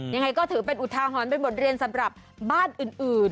ยังไงก็ถือเป็นอุทาหรณ์เป็นบทเรียนสำหรับบ้านอื่น